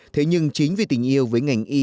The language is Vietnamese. thế nhưng chính vì tình yêu với ngành y